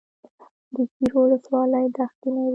د ګیرو ولسوالۍ دښتې لري